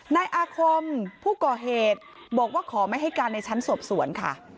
นายอาคมผู้ก่อเหตุบอกว่าขอไม่ให้การในชั้นสอบสวนค่ะ